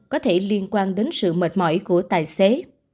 có thể liên quan đến sự mệt mỏi của tài xế